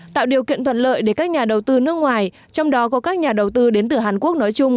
tạo điều kiện thuận lợi để các nhà đầu tư nước ngoài trong đó có các nhà đầu tư đến từ hàn quốc nói chung